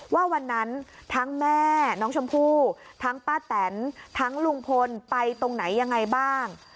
ว่าวันนั้นทั้งแม่น้องชมพู่ทั้งป้าแตนทั้งลุงพลไปตรงไหนยังไงบ้าง